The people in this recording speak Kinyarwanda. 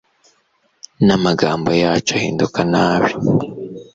n'amagambo yacu ahinduka nabi